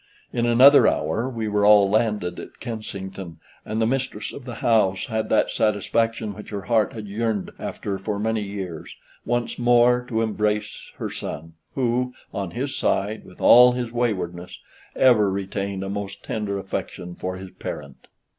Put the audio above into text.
In another hour we were all landed at Kensington, and the mistress of the house had that satisfaction which her heart had yearned after for many years, once more to embrace her son, who, on his side, with all his waywardness, ever retained a most tender affection for his parent.